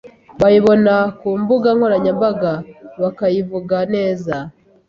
bayibona ku mbuga nkoranyambaga bakayivuga neza